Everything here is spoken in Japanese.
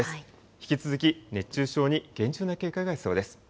引き続き熱中症に厳重な警戒が必要です。